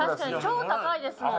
超高いですもん！